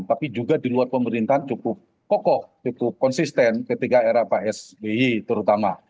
tapi juga di luar pemerintahan cukup kokoh cukup konsisten ketika era pak sby terutama